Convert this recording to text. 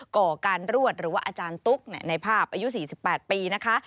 ก่อการรวดหรือว่าอาจารย์ตุ๊กในภาพอายุ๔๘ปีนะคะ